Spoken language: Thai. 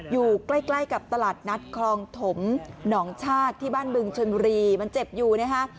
อยู่ใกล้ใกล้กับตลาดนัดคลองถมหนองชาติที่บ้านบึงชนบุรีมันเจ็บอยู่นะฮะ